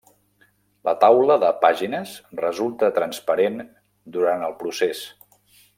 La taula de pàgines resulta transparent durant el procés.